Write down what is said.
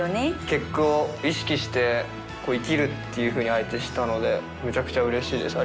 結句を意識して「生きる」っていうふうに配置したのでめちゃくちゃうれしいです。